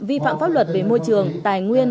vi phạm pháp luật về môi trường tài nguyên